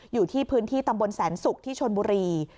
อยู่ที่พื้นที่ตำบลแสนศุกร์ที่ชนบุรี